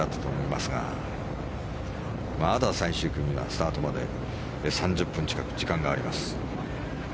まだ最終組のスタートまで３０分近く時間があります。